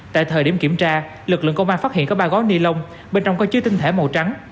tại thời điểm kiểm tra lực lượng công an phát hiện có ba gói ni lông bên trong có chứa tinh thể màu trắng